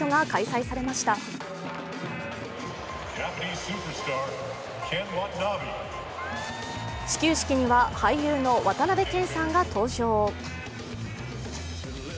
始球式には俳優の渡辺謙さんが登場。